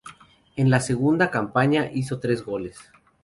En la segunda campaña hizo tres goles.